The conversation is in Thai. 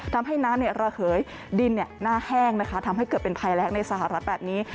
ทำให้น้ำระเหยดินหน้าแห้งนะคะทำให้เกิดเป็นภัยแรงในสหรัฐแบบนี้